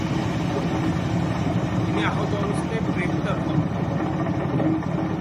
তিনি আহত অবস্থায় প্রেপ্তার হন।